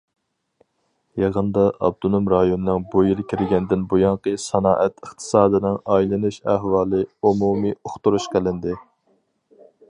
يىغىندا ئاپتونوم رايوننىڭ بۇ يىل كىرگەندىن بۇيانقى سانائەت ئىقتىسادىنىڭ ئايلىنىش ئەھۋالى ئومۇمىي ئۇقتۇرۇش قىلىندى.